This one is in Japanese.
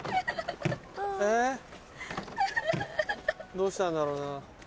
どうしたんだろうな。